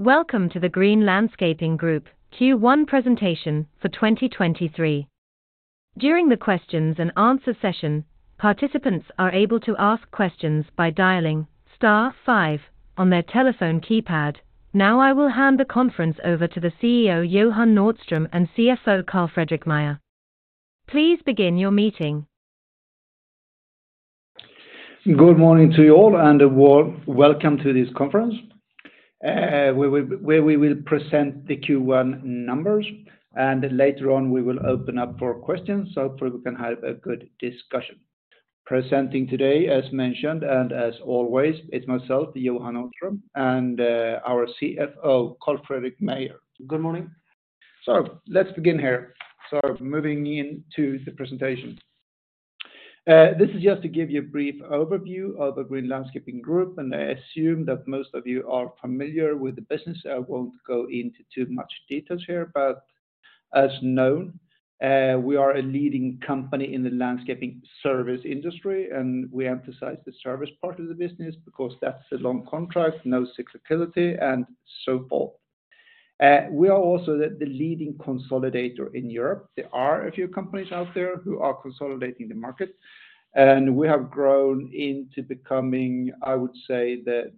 Welcome to the Green Landscaping Group Q1 presentation for 2023. During the questions-and-answer session, participants are able to ask questions by dialing Star five on their telephone keypad. I will hand the conference over to the CEO, Johan Nordström, and CFO, Carl-Fredrik Meijer. Please begin your meeting. Good morning to you all, welcome to this conference, where we will present the Q1 numbers, and later on we will open up for questions. Hopefully, we can have a good discussion. Presenting today, as mentioned, and as always, it's myself, Johan Nordström, and our CFO, Carl-Fredrik Meijer. Good morning. Let's begin here. Moving into the presentation. This is just to give you a brief overview of the Green Landscaping Group, and I assume that most of you are familiar with the business. I won't go into too much details here, but as known, we are a leading company in the landscaping service industry, and we emphasize the service part of the business because that's a long contract, no cyclicality, and so forth. We are also the leading consolidator in Europe. There are a few companies out there who are consolidating the market, and we have grown into becoming, I would say, the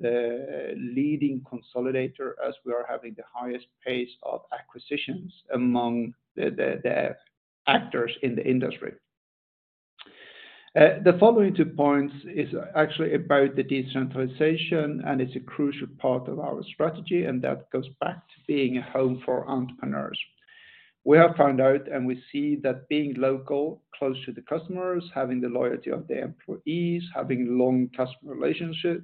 leading consolidator as we are having the highest pace of acquisitions among the actors in the industry. The following two points is actually about the decentralization. It's a crucial part of our strategy, and that goes back to being a home for entrepreneurs. We have found out, and we see that being local, close to the customers, having the loyalty of the employees, having long customer relationship,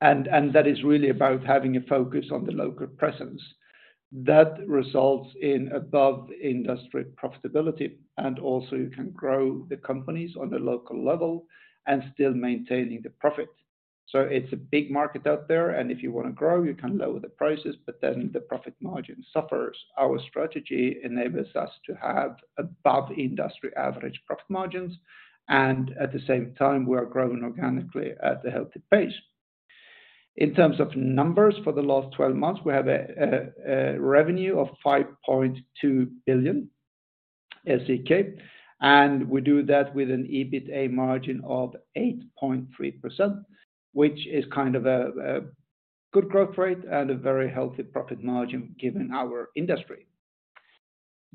and that is really about having a focus on the local presence. That results in above industry profitability, and also you can grow the companies on the local level and still maintaining the profit. It's a big market out there, and if you want to grow, you can lower the prices, but then the profit margin suffers. Our strategy enables us to have above industry average profit margins, and at the same time, we are growing organically at a healthy pace. In terms of numbers for the last 12 months, we have a revenue of 5.2 billion SEK, and we do that with an EBITA margin of 8.3%, which is kind of a good growth rate and a very healthy profit margin given our industry.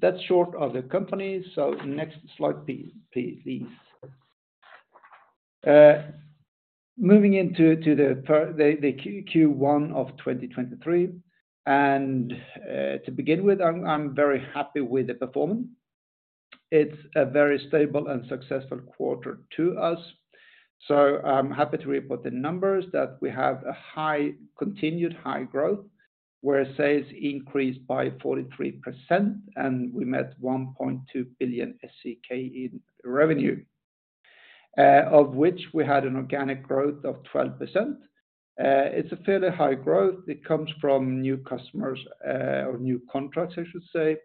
That's short of the company. Next slide please. Moving into the Q1 of 2023. To begin with, I'm very happy with the performance. It's a very stable and successful quarter to us, so I'm happy to report the numbers that we have continued high growth where sales increased by 43% and we met 1.2 billion in revenue, of which we had an organic growth of 12%. It's a fairly high growth. It comes from new customers, or new contracts I should say,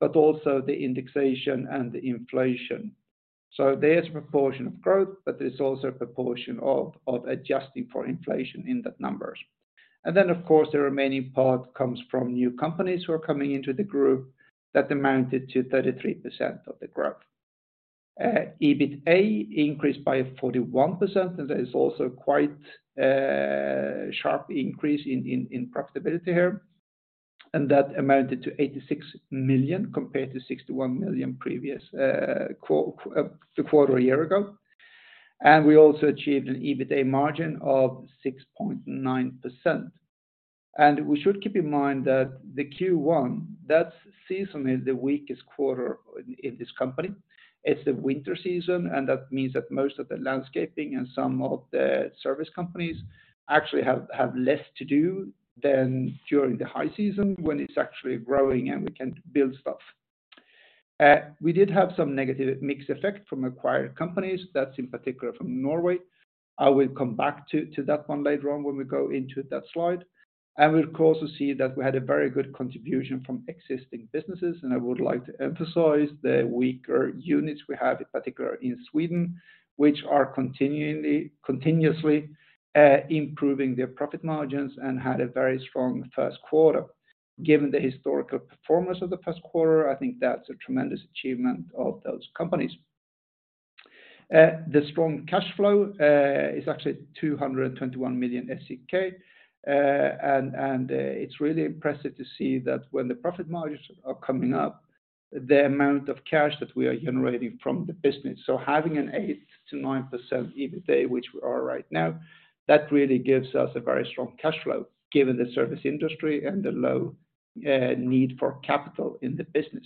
but also the indexation and the inflation. There's proportion of growth, but there's also a proportion of adjusting for inflation in that numbers. Of course, the remaining part comes from new companies who are coming into the group that amounted to 33% of the growth. EBITA increased by 41%, and that is also quite a sharp increase in profitability here. That amounted to 86 million compared to 61 million previous the quarter a year ago. We also achieved an EBITA margin of 6.9%. We should keep in mind that the Q1, that season is the weakest quarter in this company. It's the winter season. That means that most of the landscaping and some of the service companies actually have less to do than during the high season when it's actually growing and we can build stuff. We did have some negative mix effect from acquired companies. That's in particular from Norway. I will come back to that one later on when we go into that slide. We could also see that we had a very good contribution from existing businesses, and I would like to emphasize the weaker units we have, in particular in Sweden, which are continuously improving their profit margins and had a very strong first quarter. Given the historical performance of the first quarter, I think that's a tremendous achievement of those companies. The strong cash flow is actually 221 million. It's really impressive to see that when the profit margins are coming up, the amount of cash that we are generating from the business. Having an 8%-9% EBITA, which we are right now, that really gives us a very strong cash flow given the service industry and the low need for capital in the business.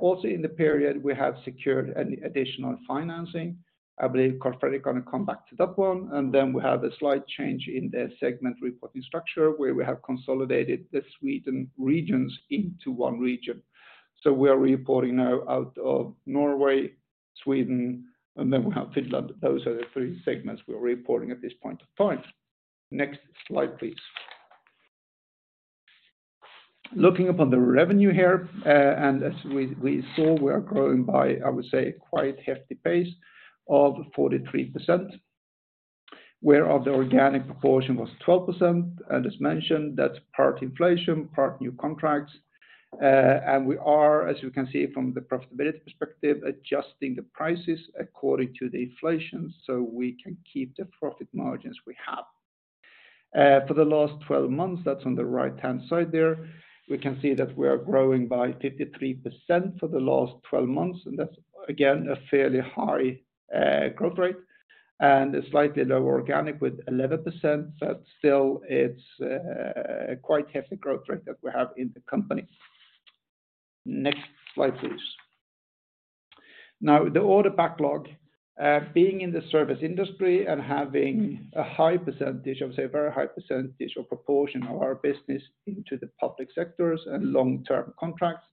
Also in the period, we have secured an additional financing. I believe Carl-Fredrik gonna come back to that one. Then we have a slight change in the segment reporting structure, where we have consolidated the Sweden regions into one region. We are reporting now out of Norway, Sweden, and then we have Finland. Those are the three segments we are reporting at this point of time. Next slide, please. Looking upon the revenue here, and as we saw we are growing by, I would say quite hefty pace of 43%, where of the organic proportion was 12%. As mentioned, that's part inflation, part new contracts. And we are, as you can see from the profitability perspective, adjusting the prices according to the inflation, so we can keep the profit margins we have. For the last 12 months, that's on the right-hand side there, we can see that we are growing by 53% for the last 12 months. That's again a fairly high growth rate and a slightly lower organic with 11%. Still it's quite hefty growth rate that we have in the company. Next slide, please. The order backlog, being in the service industry and having a high percentage, I would say a very high percentage or proportion of our business into the public sectors and long-term contracts,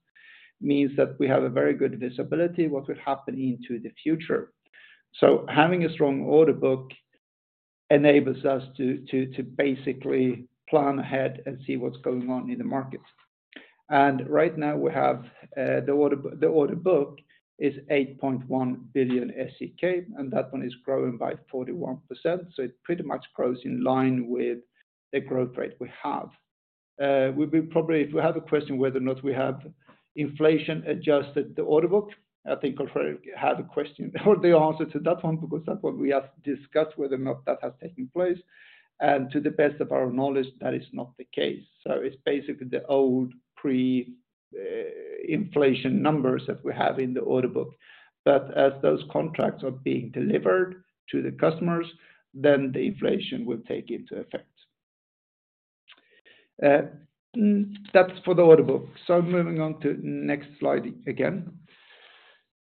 means that we have a very good visibility what would happen into the future. Having a strong order book enables us to basically plan ahead and see what's going on in the market. Right now we have, the order book is 8.1 billion SEK, and that one is growing by 41%. It pretty much grows in line with the growth rate we have. We'd be probably... If you have a question whether or not we have inflation adjusted the order book, I think I'll probably have a question or the answer to that one, because that what we have discussed whether or not that has taken place. To the best of our knowledge, that is not the case. It's basically the old pre-inflation numbers that we have in the order book. As those contracts are being delivered to the customers, then the inflation will take into effect. That's for the order book. Moving on to next slide again.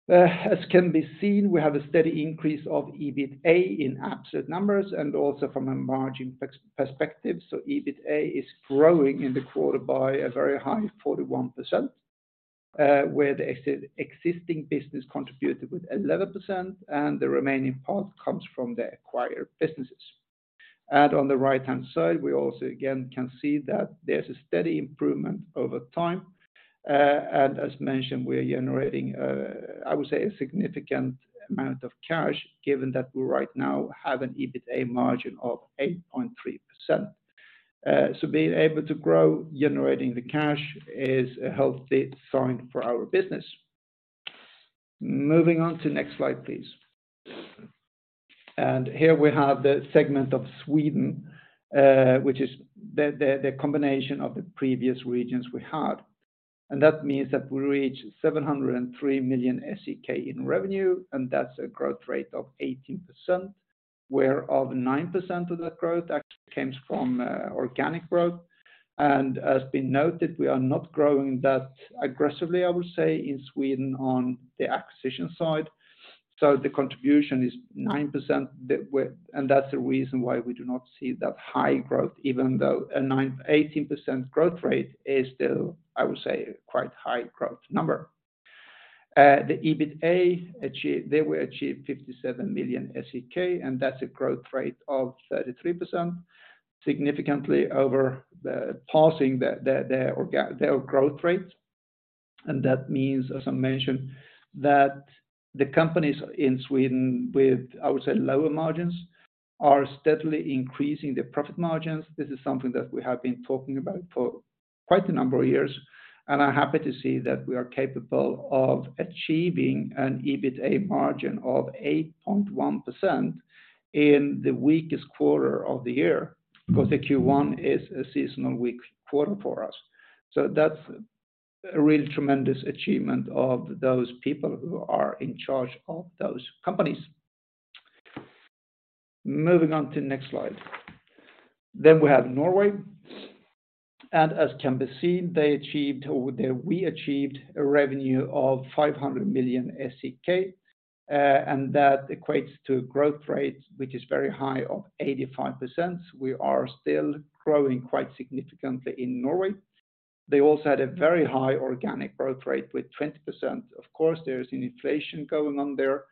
As can be seen, we have a steady increase of EBITA in absolute numbers and also from a margin perspective. EBITA is growing in the quarter by a very high 41%, where the existing business contributed with 11% and the remaining part comes from the acquired businesses. On the right-hand side, we also again can see that there's a steady improvement over time. As mentioned, we are generating, I would say a significant amount of cash given that we right now have an EBITA margin of 8.3%. Being able to grow generating the cash is a healthy sign for our business. Moving on to next slide, please. Here we have the segment of Sweden, which is the combination of the previous regions we had. That means that we reach 703 million SEK in revenue, and that's a growth rate of 18%, where 9% of that growth actually comes from organic growth. As been noted, we are not growing that aggressively, I would say, in Sweden on the acquisition side. The contribution is 9% and that's the reason why we do not see that high growth even though an 18% growth rate is still, I would say, quite high growth number. The EBITA. There we achieved 57 million SEK, and that's a growth rate of 33%, significantly over passing the growth rate. That means, as I mentioned, that the companies in Sweden with, I would say, lower margins, are steadily increasing the profit margins. This is something that we have been talking about for quite a number of years, and I'm happy to see that we are capable of achieving an EBITA margin of 8.1% in the weakest quarter of the year, because the Q1 is a seasonal weak quarter for us. That's a really tremendous achievement of those people who are in charge of those companies. Moving on to next slide. We have Norway. As can be seen, they achieved or we achieved a revenue of 500 million SEK, and that equates to growth rate, which is very high of 85%. We are still growing quite significantly in Norway. They also had a very high organic growth rate with 20%. Of course, there is an inflation going on there,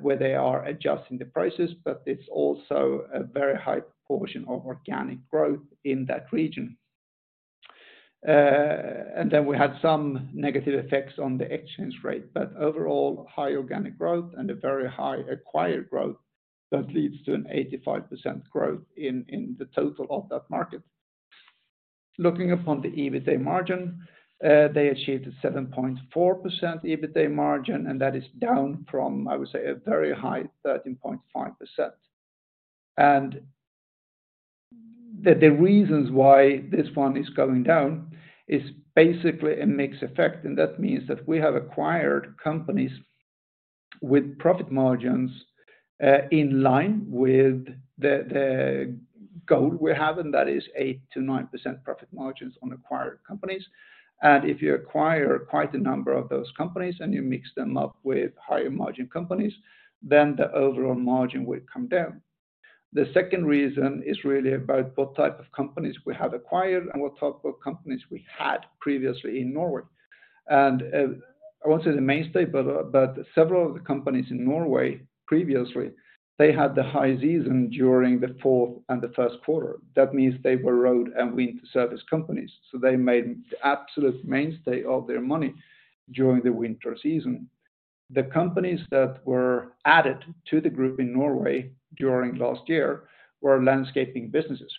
where they are adjusting the prices, but it's also a very high proportion of organic growth in that region. Then we had some negative effects on the exchange rate, but overall high organic growth and a very high acquired growth that leads to an 85% growth in the total of that market. Looking upon the EBITA margin, they achieved a 7.4% EBITA margin, and that is down from, I would say, a very high 13.5%. The reasons why this one is going down is basically a mixed effect, and that means that we have acquired companies with profit margins, in line with the goal we have, and that is 8%-9% profit margins on acquired companies. If you acquire quite a number of those companies and you mix them up with higher margin companies, then the overall margin will come down. The second reason is really about what type of companies we have acquired and what type of companies we had previously in Norway. I won't say the mainstay, but several of the companies in Norway previously, they had the high season during the fourth and the first quarter. That means they were road and winter service companies, so they made the absolute mainstay of their money during the winter season. The companies that were added to the group in Norway during last year were landscaping businesses,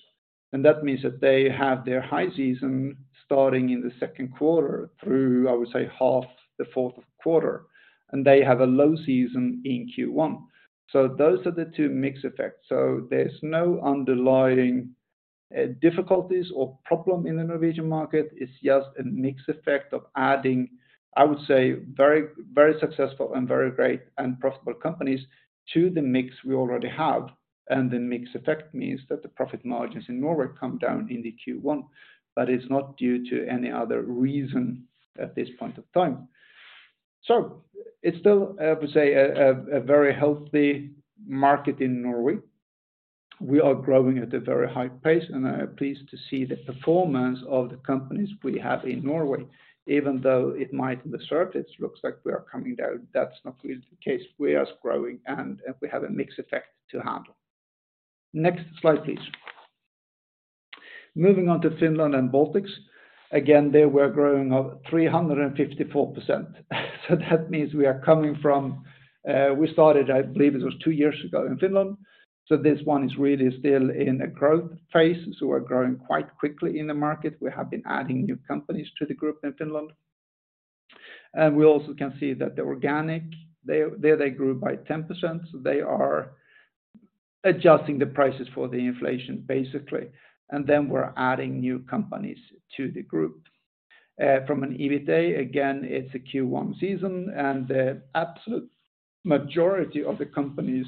and that means that they have their high season starting in the second quarter through, I would say, half the fourth quarter, and they have a low season in Q1. Those are the two mix effects. There's no underlying difficulties or problem in the Norwegian market. It's just a mix effect of adding, I would say, very, very successful and very great and profitable companies to the mix we already have. The mix effect means that the profit margins in Norway come down in the Q1, but it's not due to any other reason at this point of time. It's still, I would say, a very healthy market in Norway. We are growing at a very high pace, and I'm pleased to see the performance of the companies we have in Norway. Even though it might, on the surface, looks like we are coming down, that's not really the case. We are growing, and we have a mix effect to handle. Next slide, please. Moving on to Finland and Baltics. Again, there we're growing of 354%. That means we are coming from, we started, I believe it was 2 years ago in Finland. This one is really still in a growth phase, so we're growing quite quickly in the market. We have been adding new companies to the group in Finland. We also can see that the organic there they grew by 10%, so they are adjusting the prices for the inflation basically. We're adding new companies to the group. From an EBITA, again, it's a Q1 season, and the absolute majority of the companies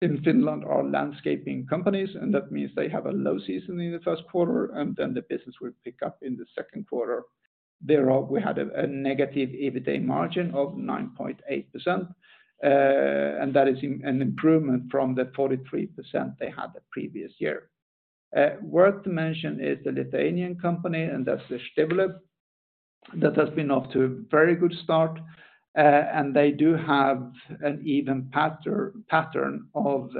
in Finland are landscaping companies, and that means they have a low season in the first quarter, and then the business will pick up in the second quarter. There we had a negative EBITA margin of 9.8%. That is an improvement from the 43% they had the previous year. Worth to mention is the Lithuanian company, that's the Stebulė, that has been off to a very good start. They do have an even pattern of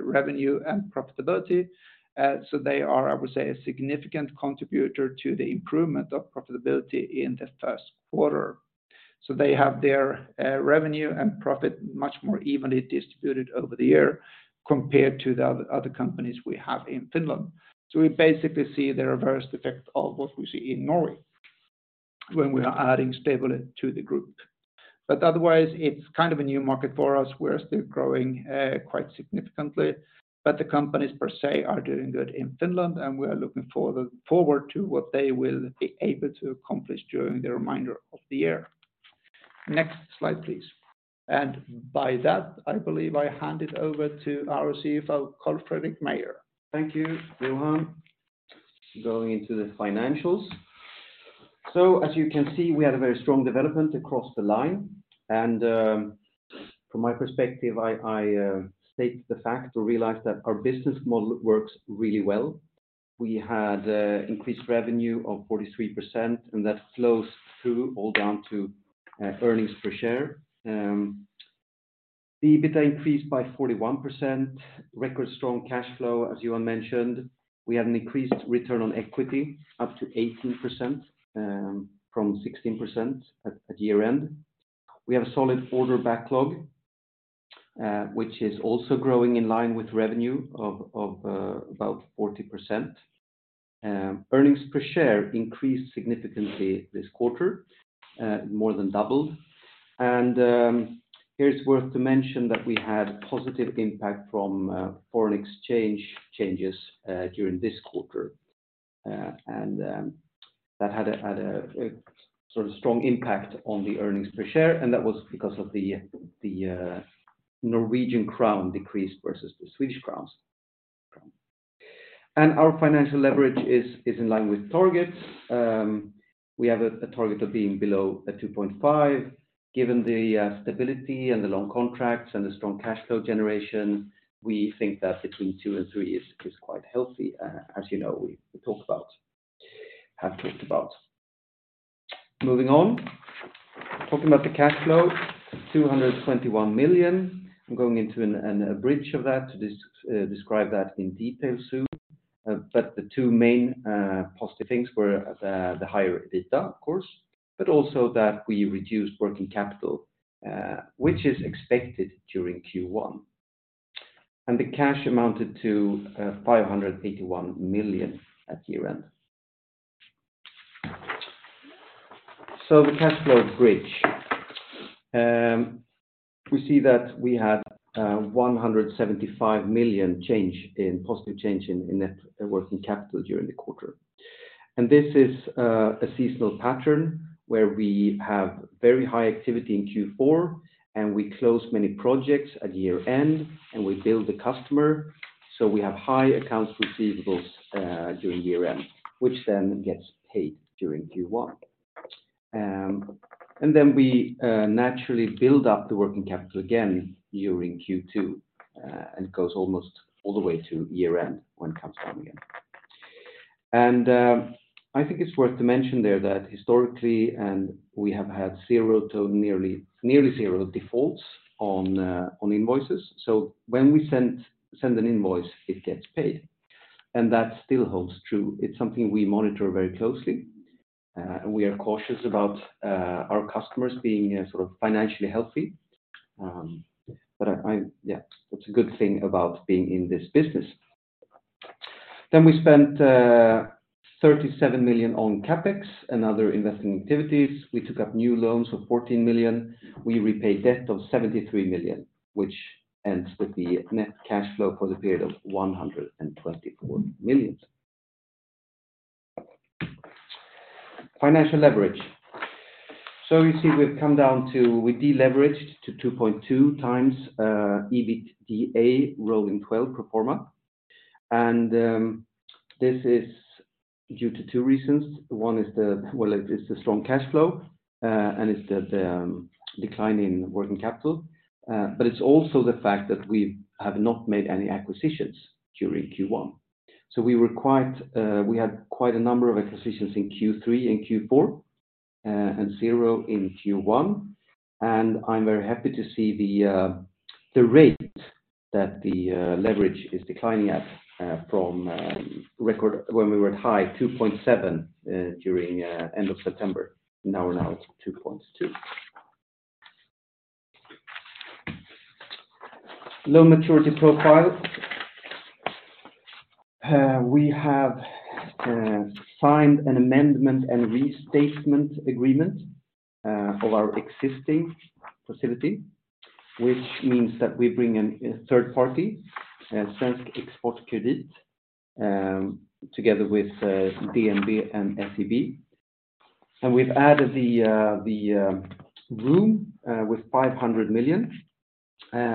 revenue and profitability. They are, I would say, a significant contributor to the improvement of profitability in the first quarter. They have their revenue and profit much more evenly distributed over the year compared to the other companies we have in Finland. We basically see the reverse effect of what we see in Norway when we are adding Stebulė to the group. Otherwise, it's kind of a new market for us. We're still growing, quite significantly, but the companies per se are doing good in Finland, and we are looking forward to what they will be able to accomplish during the remainder of the year. Next slide, please. By that, I believe I hand it over to our CFO, Carl-Fredrik Meijer. Thank you, Johan. Going into the financials. As you can see, we had a very strong development across the line. From my perspective, I state the fact or realize that our business model works really well. We had increased revenue of 43%, and that flows through all down to earnings per share. The EBITA increased by 41%. Record strong cash flow, as Johan mentioned. We have an increased return on equity up to 18%, from 16% at year-end. We have a solid order backlog, which is also growing in line with revenue about 40%. Earnings per share increased significantly this quarter, more than doubled. Here it's worth to mention that we had positive impact from foreign exchange changes during this quarter. That had a sort of strong impact on the earnings per share, and that was because of the Norwegian Crown decreased versus the Swedish Crowns. Our financial leverage is in line with targets. We have a target of being below a 2.5. Given the stability and the long contracts and the strong cash flow generation, we think that between 2 and 3 is quite healthy, as you know, we have talked about. Moving on. Talking about the cash flow, 221 million. I'm going into a bridge of that to describe that in detail soon. The two main positive things were the higher EBITA, of course, but also that we reduced working capital, which is expected during Q1. The cash amounted to 581 million at year-end. The cash flow bridge. We see that we had 175 million positive change in net working capital during the quarter. This is a seasonal pattern where we have very high activity in Q4, and we close many projects at year-end, and we bill the customer, so we have high accounts receivables during year-end, which then gets paid during Q1. Then we naturally build up the working capital again during Q2 and goes almost all the way to year-end when it comes down again. I think it's worth to mention there that historically, we have had zero to nearly zero defaults on invoices. When we send an invoice, it gets paid, and that still holds true. It's something we monitor very closely, and we are cautious about our customers being sort of financially healthy. I... Yeah, that's a good thing about being in this business. We spent 37 million on CapEx and other investing activities. We took up new loans of 14 million. We repaid debt of 73 million, which ends with the net cash flow for the period of 124 million. Financial leverage. You see, we deleveraged to 2.2two EBITDA rolling 12 pro forma. This is due to 2 reasons. One is the... It's the strong cash flow, and it's the decline in working capital, it's also the fact that we have not made any acquisitions during Q1. We were quite, We had quite a number of acquisitions in Q3 and Q4, and 0 in Q1. I'm very happy to see the rate that the leverage is declining at, from record when we were at high 2.7x during end of September. Now it's 2.2x. Loan maturity profile. We have signed an amendment and restatement agreement of our existing facility, which means that we bring in a third party, Svensk Exportkredit, together with DNB and SEB. We've added the room with 500 million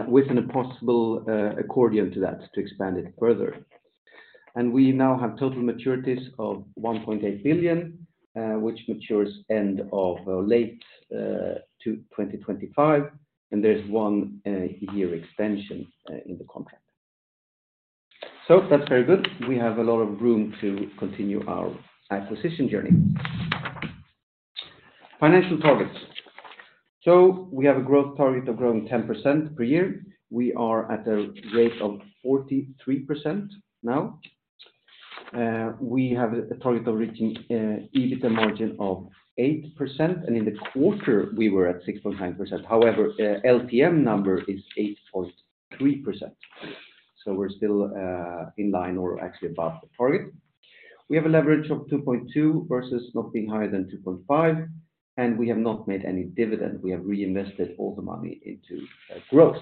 with an possible accordion to that to expand it further. We now have total maturities of 1.8 billion, which matures end of late to 2025, and there's one year extension in the contract. That's very good. We have a lot of room to continue our acquisition journey. Financial targets. We have a growth target of growing 10% per year. We are at a rate of 43% now. We have a target of reaching EBITA margin of 8%, and in the quarter, we were at 6.9%. However, LTM number is 8.3%. We're still in line or actually above the target. We have a leverage of 2.2x versus not being higher than 2.5, and we have not made any dividend. We have reinvested all the money into growth.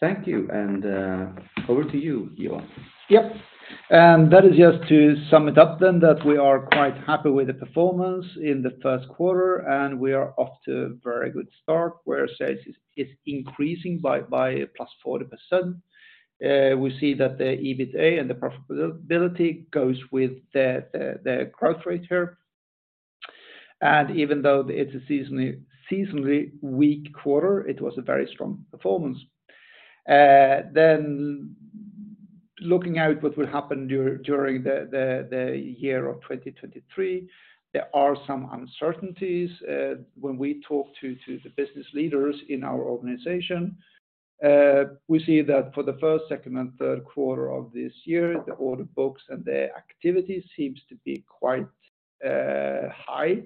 Thank you, and over to you, Johan. Yep. That is just to sum it up that we are quite happy with the performance in the first quarter, and we are off to a very good start where sales is increasing by +40%. We see that the EBITDA and the profitability goes with the growth rate here. Even though it's a seasonally weak quarter, it was a very strong performance. Looking at what will happen during the year of 2023, there are some uncertainties. When we talk to the buess leaders in our organization, we see that for the first, second, and third quarter of this year, the order books and the activity seems to be quite high.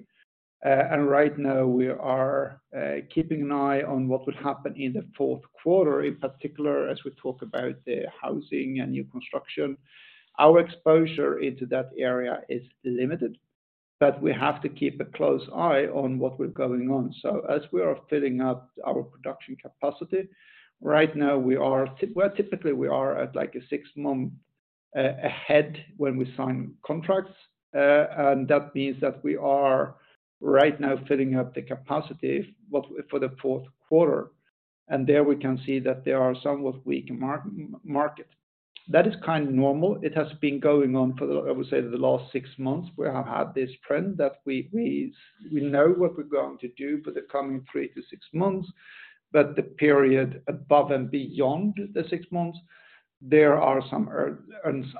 Right now we are keeping an eye on what would happen in the fourth quarter, in particular as we talk about the housing and new construction. Our exposure into that area is limited, but we have to keep a close eye on what will going on. As we are filling up our production capacity, right now, we are Well, typically, we are at, like, a six-month ahead when we sign contracts, and that means that we are right now filling up the capacity for the fourth quarter. There we can see that there are somewhat weak market. That is kind of normal. It has been going on for, I would say, the last six months. We have had this trend that we know what we're going to do for the coming 3-6 months. The period above and beyond the 6 months, there are some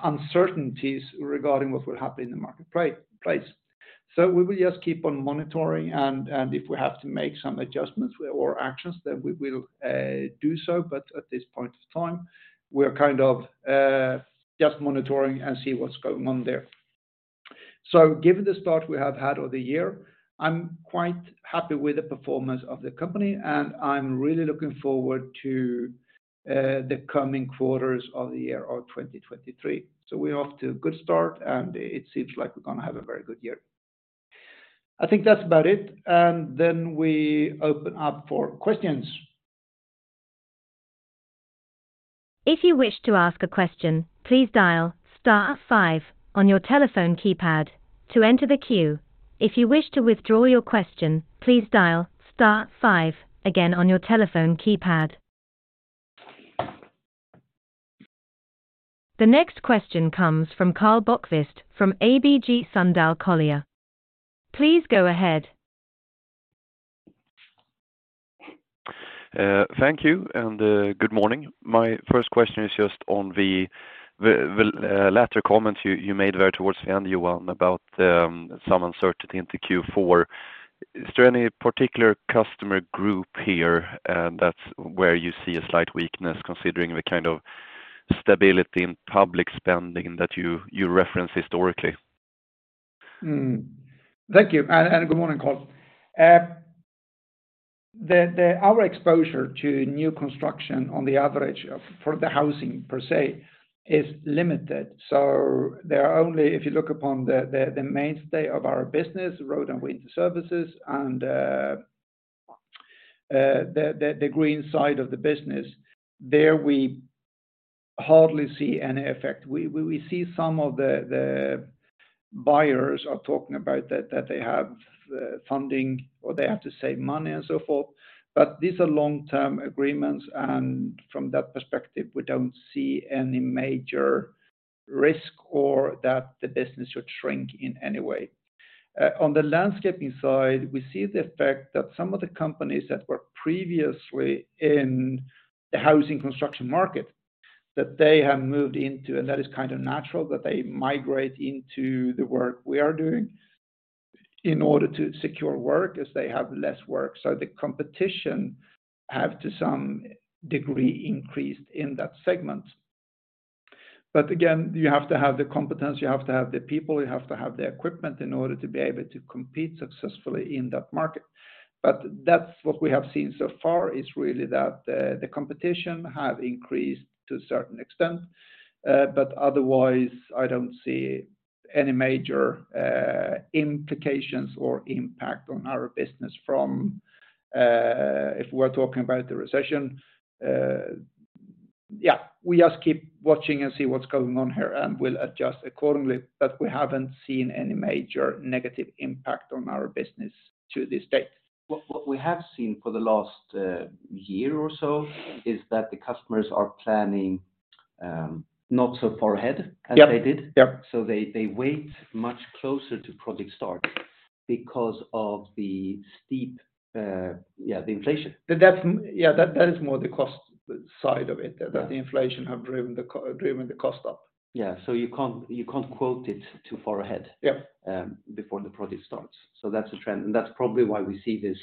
uncertainties regarding what will happen in the market place. We will just keep on monitoring and if we have to make some adjustments or actions, we will do so. At this point of time, we're kind of just monitoring and see what's going on there. Given the start we have had of the year, I'm quite happy with the performance of the company, and I'm really looking forward to the coming quarters of the year of 2023. We're off to a good start, and it seems like we're gonna have a very good year. I think that's about it. We open up for questions. If you wish to ask a question, please dial Star five on your telephone keypad to enter the queue. If you wish to withdraw your question, please dial Star five again on your telephone keypad. The next question comes from Karl Bokvist from ABG Sundal Collier. Please go ahead. Thank you, and good morning. My first question is just on the latter comments you made there towards the end, Johan, about some uncertainty into Q4. Is there any particular customer group here that's where you see a slight weakness considering the kind of stability in public spending that you reference historically? Hmm. Thank you, and good morning, Karl. Our exposure to new construction on the average for the housing per se, is limited. If you look upon the mainstay of our business, road and winter services and the green side of the business, there we hardly see any effect. We see some of the buyers are talking about that they have funding or they have to save money and so forth. These are long-term agreements, and from that perspective, we don't see any major risk or that the business should shrink in any way. On the Landscaping side, we see the effect that some of the companies that were previously in the housing construction market, that they have moved into, and that is kind of natural, but they migrate into the work we are doing in order to secure work as they have less work. The competition have to some degree increased in that segment. Again, you have to have the competence, you have to have the people, you have to have the equipment in order to be able to compete successfully in that market. That's what we have seen so far, is really that the competition have increased to a certain extent. Otherwise, I don't see any major implications or impact on our business from if we're talking about the recession. Yeah, we just keep watching and see what's going on here, and we'll adjust accordingly. We haven't seen any major negative impact on our business to this date. What we have seen for the last year or so is that the customers are planning not so far ahead. Yep as they did. Yep. They wait much closer to project start because of the steep, yeah, the inflation. That's yeah, that is more the cost side of it. Yeah. The inflation have driven the cost up. Yeah. you can't quote it too far ahead. Yep Before the project starts. That's a trend, and that's probably why we see this.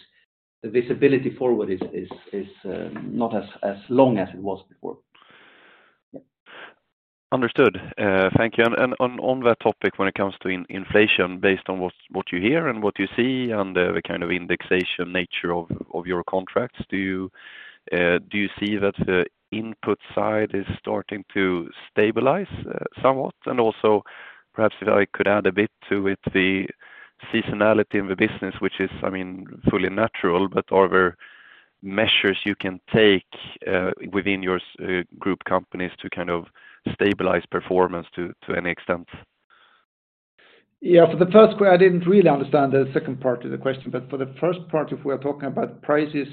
The visibility forward is, not as long as it was before. Understood. Thank you. On that topic when it comes to in-inflation based on what you hear and what you see and the kind of indexation nature of your contracts, do you see that the input side is starting to stabilize somewhat? Also, perhaps if I could add a bit to it, the seasonality in the business, which is, I mean, fully natural, but are there measures you can take within your group companies to kind of stabilize performance to any extent? For the first I didn't really understand the second part of the question, but for the first part, if we are talking about prices,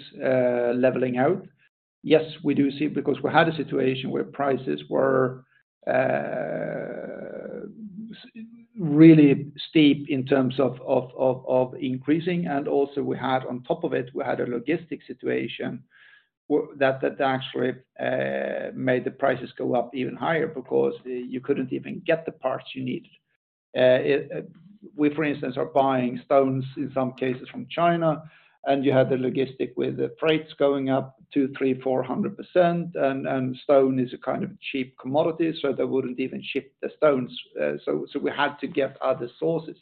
really steep in terms of increasing. Also we had on top of it, we had a logistic situation that actually made the prices go up even higher because you couldn't even get the parts you needed. We, for instance, are buying stones in some cases from China, and you had the logistic with the freights going up 200%, 300%, 400%. Stone is a kind of cheap commodity, so they wouldn't even ship the stones. We had to get other sources.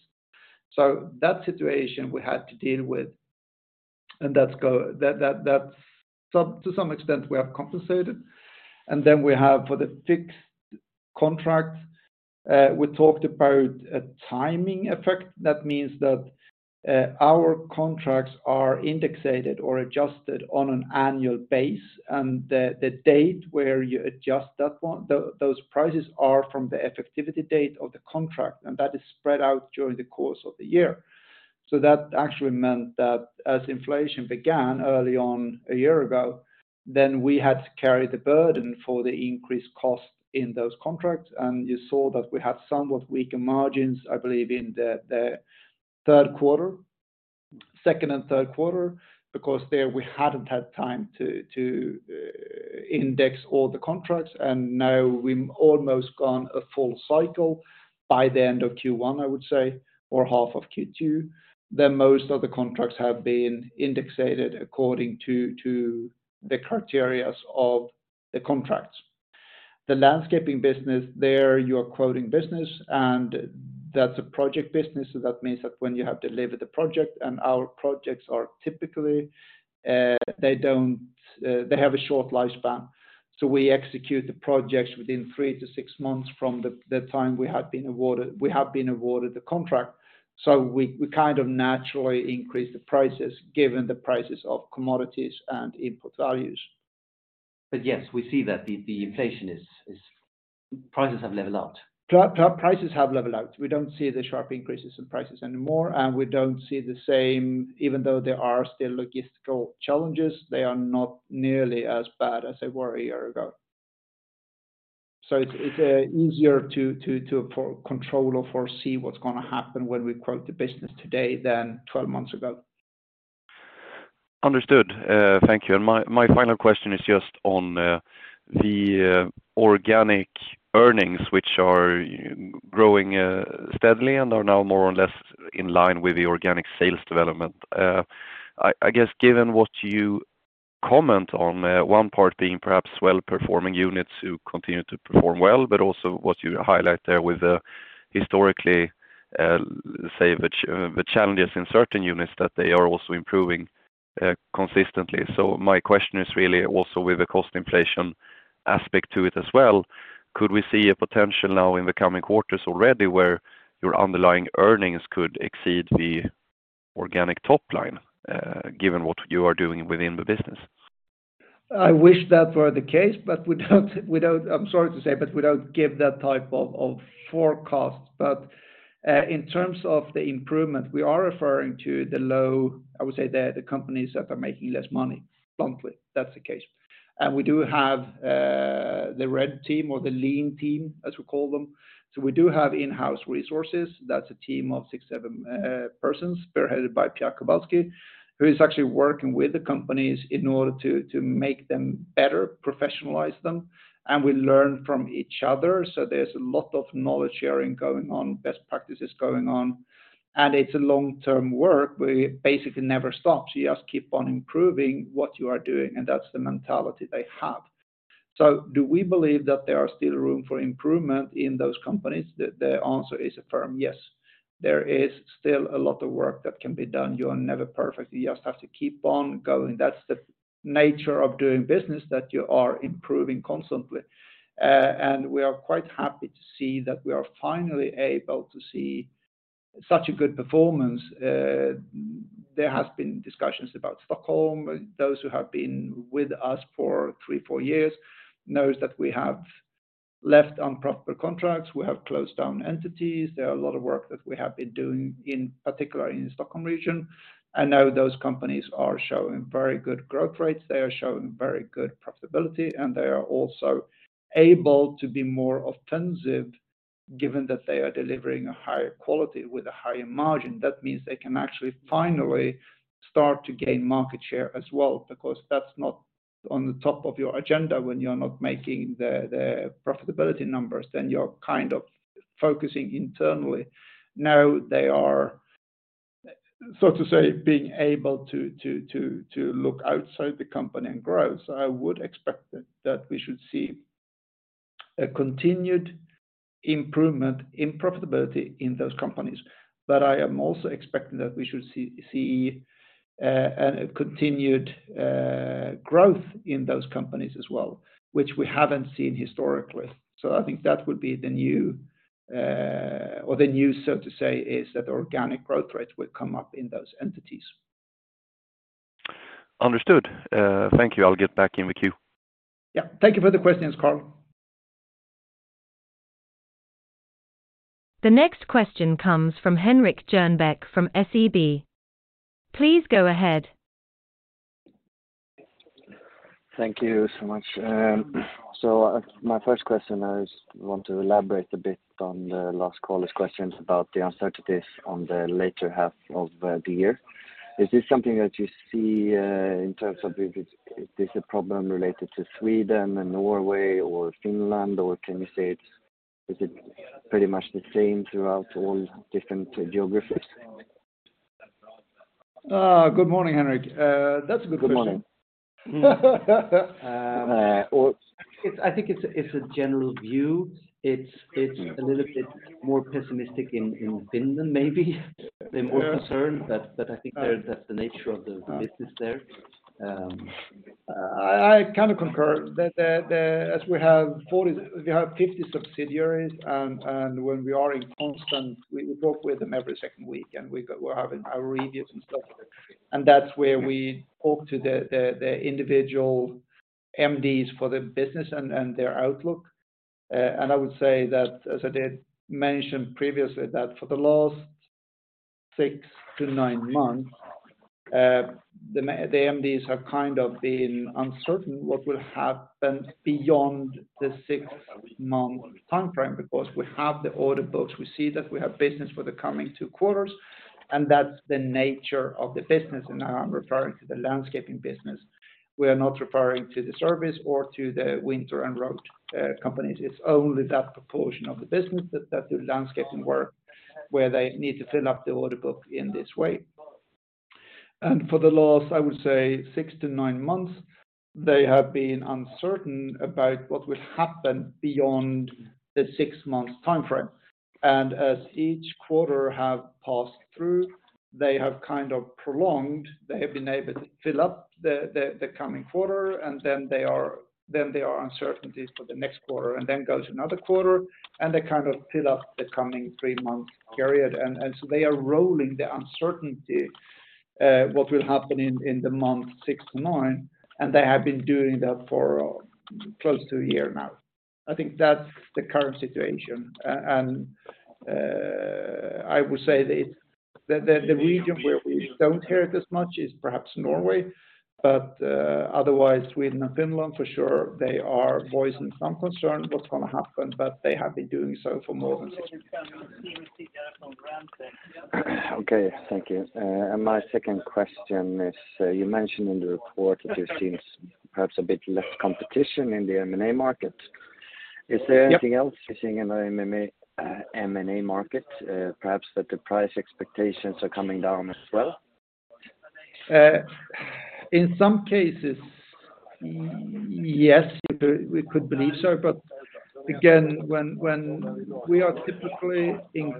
That situation we had to deal with. To some extent, we have compensated. We have for the fixed contracts, we talked about a timing effect. That means that our contracts are indexed or adjusted on an annual basis. The date where you adjust that one, those prices are from the effectivity date of the contract, and that is spread out during the course of the year. That actually meant that as inflation began early on a year ago, then we had to carry the burden for the increased cost in those contracts. You saw that we had somewhat weaker margins, I believe in the third quarter, second and third quarter, because there we hadn't had time to index all the contracts. Now we've almost gone a full cycle by the end of Q1, I would say, or half of Q2, then most of the contracts have been indexed according to the criteria of the contracts. The landscaping business, there you're quoting business, and that's a project business. That means that when you have delivered the project, and our projects are typically, they have a short lifespan. We execute the projects within 3-6 months from the time we have been awarded the contract. We kind of naturally increase the prices given the prices of commodities and input values. Yes, we see that prices have leveled out. Prices have leveled out. We don't see the sharp increases in prices anymore, and we don't see the same. Even though there are still logistical challenges, they are not nearly as bad as they were a year ago. It's easier to control or foresee what's gonna happen when we quote the business today than 12 months ago. Understood. Thank you. My final question is just on the organic earnings which are growing steadily and are now more or less in line with the organic sales development. I guess given what you comment on, one part being perhaps well-performing units who continue to perform well, but also what you highlight there with the historically, say, the challenges in certain units that they are also improving consistently. My question is really also with the cost inflation aspect to it as well, could we see a potential now in the coming quarters already where your underlying earnings could exceed the organic top line, given what you are doing within the business? I wish that were the case, but I'm sorry to say, but we don't give that type of forecast. In terms of the improvement, we are referring to the low, I would say the companies that are making less money monthly. That's the case. We do have the red team or the lean team, as we call them. We do have in-house resources. That's a team of 6, 7 persons, spearheaded by Pierre Kowalsky, who is actually working with the companies in order to make them better, professionalize them, and we learn from each other. There's a lot of knowledge sharing going on, best practices going on, and it's a long-term work. We basically never stop. You just keep on improving what you are doing, and that's the mentality they have. Do we believe that there are still room for improvement in those companies? The answer is a firm yes. There is still a lot of work that can be done. You are never perfect. You just have to keep on going. That's the nature of doing business, that you are improving constantly. We are quite happy to see that we are finally able to see such a good performance. There has been discussions about Stockholm. Those who have been with us for three, four years knows that we have left unprofitable contracts. We have closed down entities. There are a lot of work that we have been doing, in particular in Stockholm region. Now those companies are showing very good growth rates, they are showing very good profitability, and they are also able to be more offensive given that they are delivering a higher quality with a higher margin. That means they can actually finally start to gain market share as well, because that's not on the top of your agenda when you're not making the profitability numbers, then you're kind of focusing internally. Now they are, so to say, being able to look outside the company and grow. I would expect that we should see a continued improvement in profitability in those companies. I am also expecting that we should see continued growth in those companies as well, which we haven't seen historically. I think that would be the new, so to say, is that organic growth rates will come up in those entities. Understood. Thank you. I'll get back in the queue. Yeah. Thank you for the questions, Karl. The next question comes from Henrik Jernbeck from SEB. Please go ahead. Thank you so much. My first question is, want to elaborate a bit on the last caller's questions about the uncertainties on the later half of the year. Is this something that you see in terms of if it's, if this a problem related to Sweden and Norway or Finland, or is it pretty much the same throughout all different geographies? Good morning, Henrik. That's a good question. Good morning. Um. Uh, or- I think it's a general view. It's a little bit more pessimistic in Finland maybe. They're more concerned, but I think that's the nature of the business there. I kind of concur that as we have 50 subsidiaries and when we are in constant, we talk with them every second week, and we're having our reviews and stuff like that. That's where we talk to the individual MDs for the business and their outlook. I would say that, as I did mention previously, that for the last 6-9 months, the MDs have kind of been uncertain what will happen beyond the 6-month timeframe because we have the order books. We see that we have business for the coming 2 quarters. That's the nature of the business. Now I'm referring to the landscaping business. We are not referring to the service or to the winter and road companies. It's only that proportion of the business that do landscaping work where they need to fill up the order book in this way. For the last, I would say 6-9 months, they have been uncertain about what will happen beyond the six-month timeframe. As each quarter have passed through, they have kind of prolonged. They have been able to fill up the coming quarter, and then they are uncertainties for the next quarter, and then goes another quarter, and they kind of fill up the coming three-month period. They are rolling the uncertainty, what will happen in the month six to nine, and they have been doing that for close to a year now. I think that's the current situation. I would say the region where we don't hear it as much is perhaps Norway. Otherwise, Sweden and Finland for sure, they are voicing some concern what's gonna happen, but they have been doing so for more than 60 years. Okay. Thank you. My second question is, you mentioned in the report that you've seen perhaps a bit less competition in the M&A market. Yep. Is there anything else you're seeing in the M&A market, perhaps that the price expectations are coming down as well? In some cases yes, we could, we could believe so. Again, when we are typically in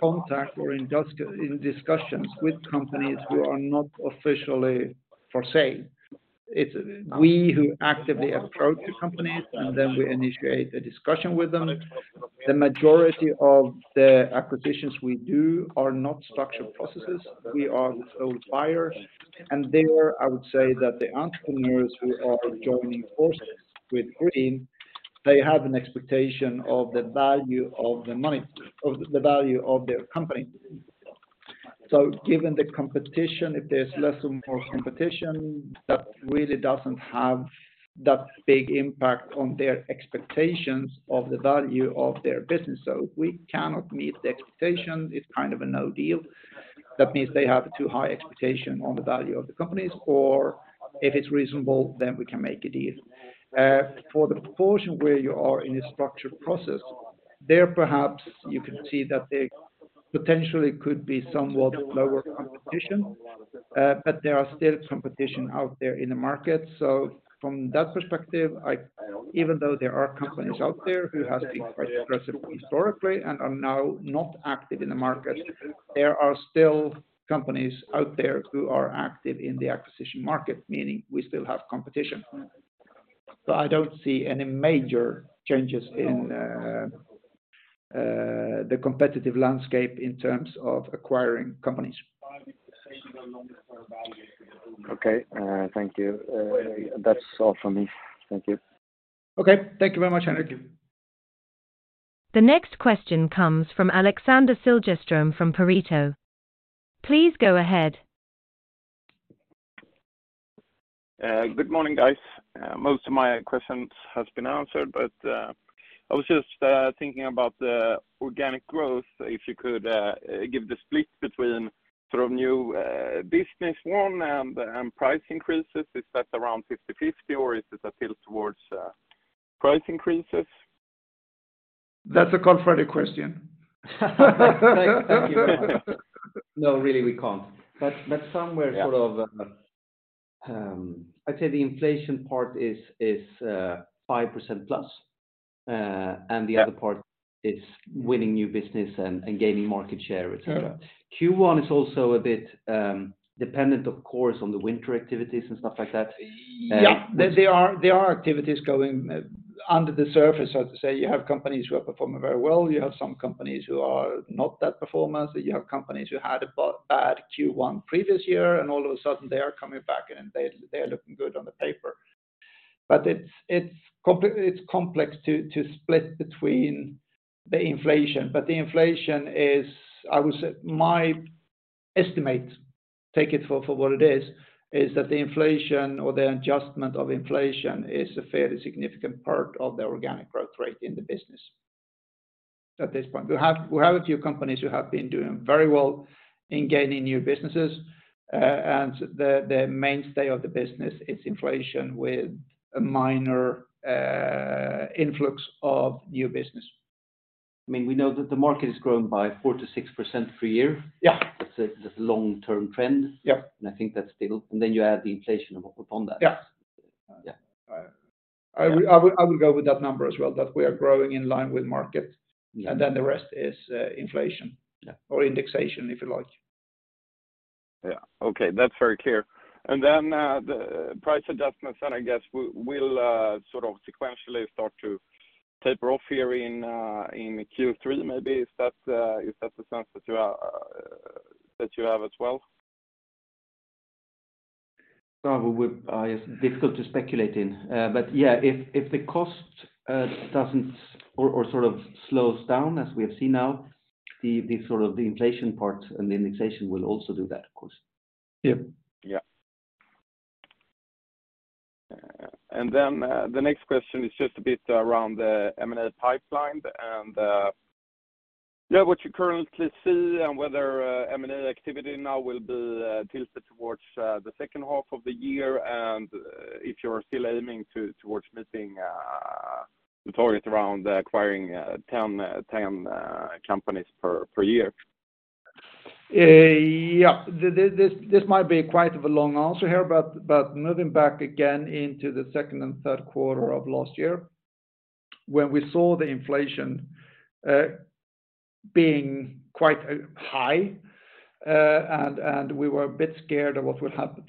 contact or in discussions with companies who are not officially for sale, it's we who actively approach the companies, then we initiate a discussion with them. The majority of the acquisitions we do are not structured processes. We are sole buyers. There, I would say that the entrepreneurs who are joining forces with Green, they have an expectation of the value of the value of their company. Given the competition, if there's less room for competition, that really doesn't have that big impact on their expectations of the value of their business. If we cannot meet the expectation, it's kind of a no deal. That means they have too high expectation on the value of the companies, or if it's reasonable, then we can make a deal. For the proportion where you are in a structured process, there perhaps you could see that there potentially could be somewhat lower competition, but there are still competition out there in the market. From that perspective, even though there are companies out there who has been quite aggressive historically and are now not active in the market, there are still companies out there who are active in the acquisition market, meaning we still have competition. I don't see any major changes in the competitive landscape in terms of acquiring companies. Okay. Thank you. That's all from me. Thank you. Okay. Thank you very much, Henrik. The next question comes from Alexander Siljeström from Pareto. Please go ahead. Good morning, guys. Most of my questions has been answered, but I was just thinking about the organic growth. If you could give the split between sort of new business won and price increases. Is that around 50/50, or is it a tilt towards price increases? That's a Carl-Freddy question. Thank you. No, really, we can't. Somewhere- Yeah... sort of, I'd say the inflation part is, 5%+. Yeah... and the other part is winning new business and gaining market share, et cetera. Yeah. Q1 is also a bit, dependent, of course, on the winter activities and stuff like that. Yeah. There are activities going under the surface, so to say. You have companies who are performing very well. You have some companies who are not that performant. You have companies who had a bad Q1 previous year, all of a sudden they are coming back and they are looking good on the paper. It's complex to split between the inflation. The inflation is, I would say my estimate, take it for what it is that the inflation or the adjustment of inflation is a fairly significant part of the organic growth rate in the business at this point. We have a few companies who have been doing very well in gaining new businesses. The mainstay of the business is inflation with a minor influx of new business. I mean, we know that the market is growing by 4%-6% per year. Yeah. That's a long-term trend. Yeah. I think that's still... You add the inflation upon that. Yeah. Yeah. I will go with that number as well, that we are growing in line with market. Yeah. Then the rest is, inflation. Yeah. Indexation, if you like. Yeah. Okay. That's very clear. The price adjustments then I guess will sort of sequentially start to taper off here in Q3 maybe. Is that the sense that you are, that you have as well? Well, it's difficult to speculate in. Yeah, if the cost doesn't or sort of slows down as we have seen now, the sort of the inflation part and the indexation will also do that, of course. Yeah. Yeah. Then, the next question is just a bit around the M&A pipeline and, yeah, what you currently see and whether M&A activity now will be tilted towards the second half of the year and if you're still aiming towards meeting the target around acquiring 10 companies per year. Yeah. This might be quite of a long answer here, but moving back again into the second and third quarter of last year when we saw the inflation being quite high, and we were a bit scared of what would happen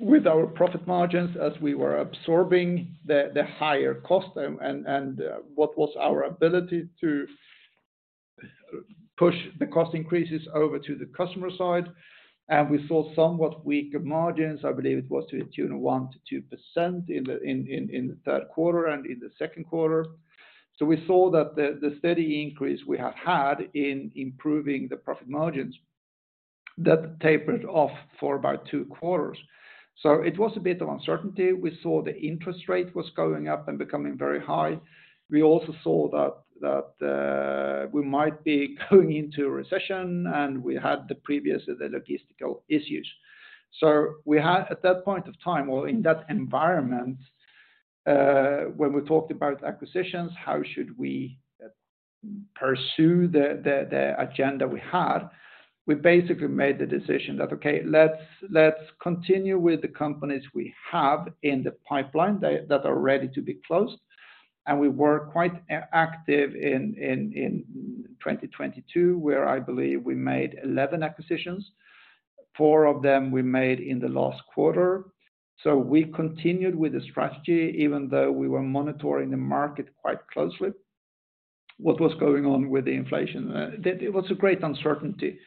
with our profit margins as we were absorbing the higher cost and what was our ability to push the cost increases over to the customer side. We saw somewhat weaker margins, I believe it was to the tune of 1%-2% in the third quarter and in the second quarter. We saw that the steady increase we have had in improving the profit margins, that tapered off for about two quarters. It was a bit of uncertainty. We saw the interest rate was going up and becoming very high. We also saw that we might be going into a recession, and we had the previous logistical issues. We had, at that point of time or in that environment, when we talked about acquisitions, how should we pursue the agenda we had? We basically made the decision that, okay, let's continue with the companies we have in the pipeline that are ready to be closed. We were quite active in 2022, where I believe we made 11 acquisitions. Four of them we made in the last quarter. We continued with the strategy, even though we were monitoring the market quite closely, what was going on with the inflation. That it was a great uncertainty.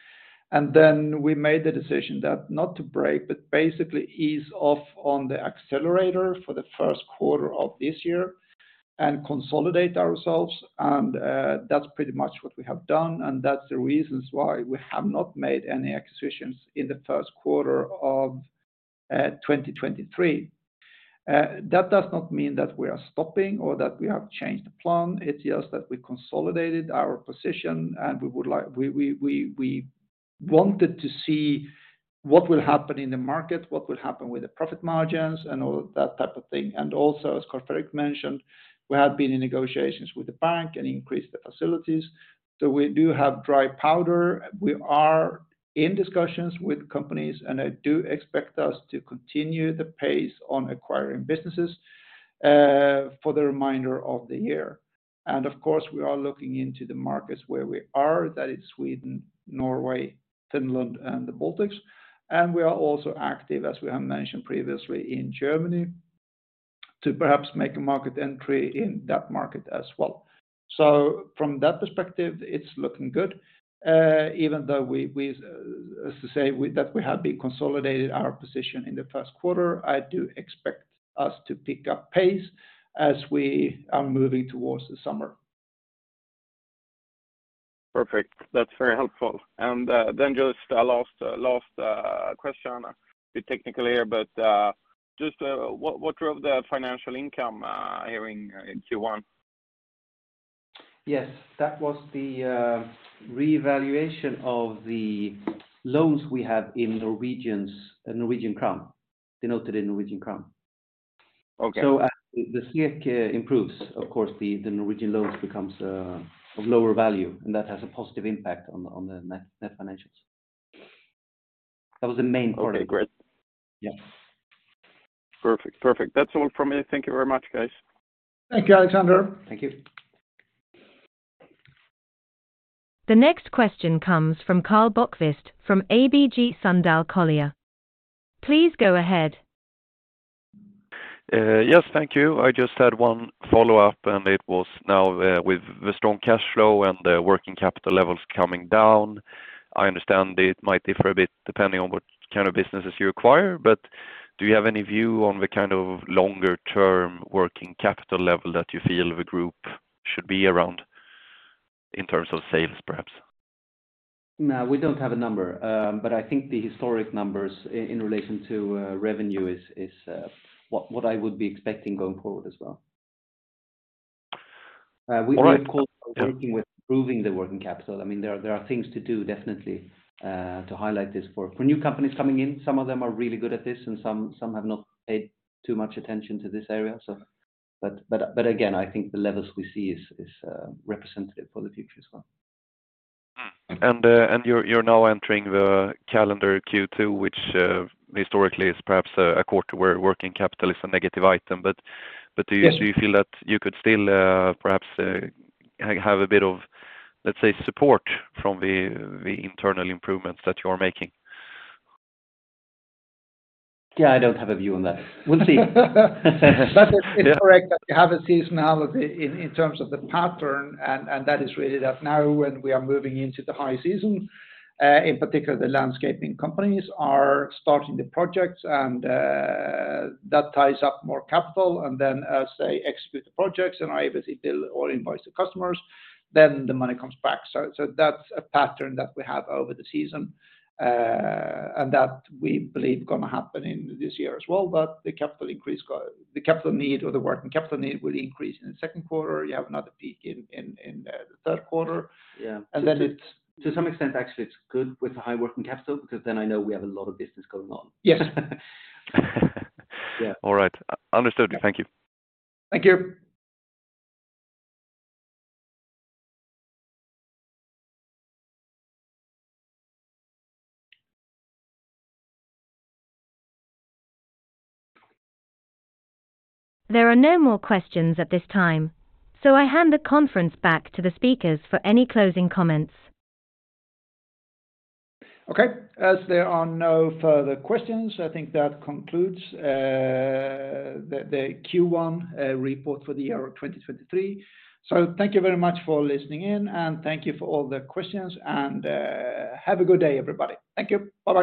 We made the decision that not to break, but basically ease off on the accelerator for the first quarter of this year and consolidate ourselves. That's pretty much what we have done, and that's the reasons why we have not made any acquisitions in the first quarter of 2023. That does not mean that we are stopping or that we have changed the plan. It's just that we consolidated our position, and we wanted to see what will happen in the market, what will happen with the profit margins and all of that type of thing. Also, as Carl-Fredrik mentioned, we have been in negotiations with the bank and increased the facilities. We do have dry powder. We are in discussions with companies. I do expect us to continue the pace on acquiring businesses for the remainder of the year. Of course, we are looking into the markets where we are, that is Sweden, Norway, Finland, and the Baltics. We are also active, as we have mentioned previously, in Germany to perhaps make a market entry in that market as well. From that perspective, it's looking good. Even though we have been consolidated our position in the first quarter, I do expect us to pick up pace as we are moving towards the summer. Perfect. That's very helpful. Then just a last question. A bit technical here, but just what drove the financial income here in Q1? Yes. That was the revaluation of the loans we have in Norwegian crown, denoted in Norwegian crown. Okay. As the SEK improves, of course, the Norwegian loans becomes of lower value, and that has a positive impact on the net financials. That was the main part. Okay, great. Yes. Perfect. That's all from me. Thank you very much, guys. Thank you, Alexander. Thank you. The next question comes from Karl Bokvist from ABG Sundal Collier. Please go ahead. Yes, thank you. I just had one follow-up. It was now, with the strong cash flow and the working capital levels coming down, I understand it might differ a bit depending on what kind of businesses you acquire. Do you have any view on the kind of longer-term working capital level that you feel the group should be around in terms of sales, perhaps? No, we don't have a number. I think the historic numbers in relation to revenue is what I would be expecting going forward as well. All right. Yeah. We, of course, are working with improving the working capital. I mean, there are things to do, definitely, to highlight this for new companies coming in. Some of them are really good at this, and some have not paid too much attention to this area. But again, I think the levels we see is representative for the future as well. Mm-hmm. You're now entering the calendar Q2, which historically is perhaps a quarter where working capital is a negative item. Yes. Do you feel that you could still, perhaps, have a bit of, let's say, support from the internal improvements that you're making? Yeah, I don't have a view on that. We'll see. That is incorrect that we have a seasonality in terms of the pattern. That is really that now when we are moving into the high season, in particular, the landscaping companies are starting the projects and that ties up more capital and then as they execute the projects and obviously bill or invoice the customers, then the money comes back. That's a pattern that we have over the season and that we believe going to happen in this year as well. The capital need or the working capital need will increase in the second quarter. You have another peak in the third quarter. Yeah. And then it- To some extent, actually, it's good with the high working capital because then I know we have a lot of business going on. Yes. Yeah. All right. Understood. Thank you. Thank you. There are no more questions at this time. I hand the conference back to the speakers for any closing comments. Okay. As there are no further questions, I think that concludes the Q1 report for the year of 2023. Thank you very much for listening in, and thank you for all the questions and have a good day, everybody. Thank you. Bye-bye.